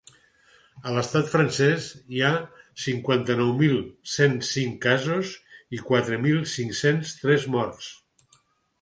A l’estat francès hi ha cinquanta-nou mil cent cinc casos i quatre mil cinc-cents tres morts.